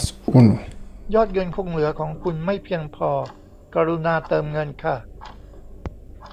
ยอดเงินคงเหลือของคุณไม่เพียงพอ กรุณาเติมเงินค่ะ